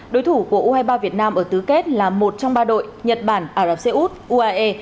đối thủ của u hai mươi ba việt nam ở tứ kết là một trong ba đội nhật bản ả rập xê út uae